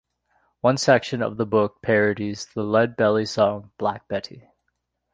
One section of the book parodies the Lead Belly song "Black Betty".